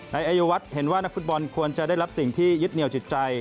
นายอายวัฒน์เห็นว่านักฟุตบอลควรจะได้รับสิ่งที่ยึดเหนียวจิตใจ